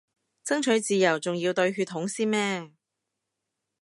爭取自由仲要對血統先咩